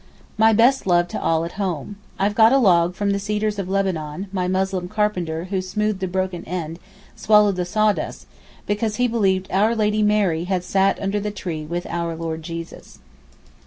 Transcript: My best love to all at home. I've got a log from the cedars of Lebanon, my Moslem carpenter who smoothed the broken end, swallowed the sawdust, because he believed 'Our Lady Mary' had sat under the tree with 'Our Lord Jesus.